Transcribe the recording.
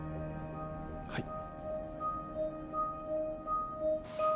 はい。